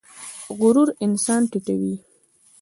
غرور انسان ټیټوي